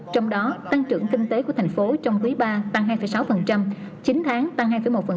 trong đó tăng trưởng kinh tế của thành phố trong quý ba tăng hai sáu chín tháng tăng hai một